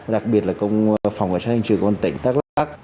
đặc biệt là công phòng và sát hành sự của con tỉnh đắk lắc